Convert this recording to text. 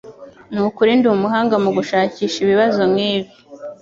Nukuri ndumuhanga mugushakisha ibibazo nkibi